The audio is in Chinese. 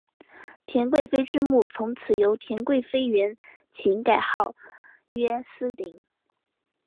田贵妃之墓从此由贵妃园寝改号曰思陵。